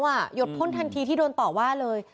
หยดพ่นทันทีที่โดนต่อว่าเลย